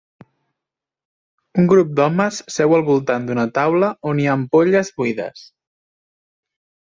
Un grup d'homes seu al voltant d'una taula on hi ha ampolles buides.